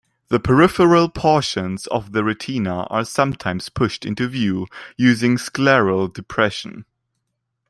The peripheral portions of the retina are sometimes pushed into view using scleral depression.